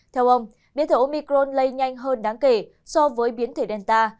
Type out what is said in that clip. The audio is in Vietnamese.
theo ông biến thở omicron lây nhanh hơn đáng kể so với biến thể delta